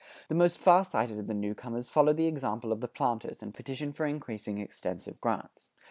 The most far sighted of the new comers follow the example of the planters, and petition for increasing extensive grants.